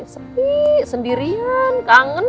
sepi sendirian kangen